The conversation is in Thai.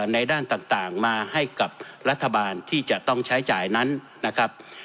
ในด้านต่างมาให้กับรัฐบาลที่จะต้องใช้จ่ายนั้นนะครับ